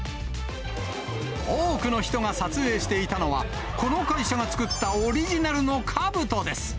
多くの人が撮影していたのは、この会社が作ったオリジナルのかぶとです。